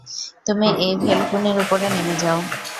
তুমি এই ভেলকুনির উপরে নেমে যাও।